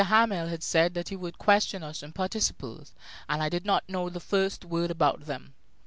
Hamel had said that he would question us on participles, and I did not know the first word about them.